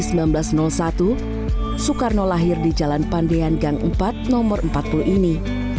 soekarno lahir di jalan pandean gang empat nomor empat puluh ini